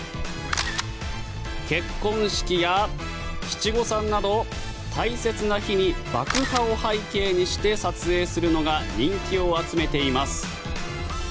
結婚式や七五三など大切な日に爆破を背景にして撮影するのが人気を集めています。